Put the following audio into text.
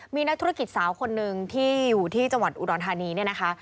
มีนักธุรกิจสาวคนหนึ่งที่อยู่ที่จังหวัดอุดรธานีเนี่ยนะคะ